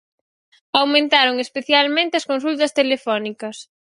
Aumentaron especialmente as consultas telefónicas.